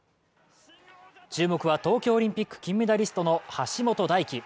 注目は東京オリンピック金メダリストの橋本大輝。